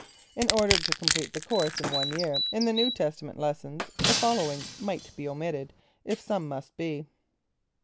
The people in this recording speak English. In order to complete the course in one year in the New Testament lessons, the following might be omitted, if some must be.